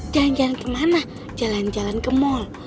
jalan jalan kemana jalan jalan ke mall